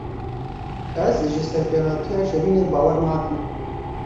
Ez ji serpêhatiya Şevînê bawer nakim.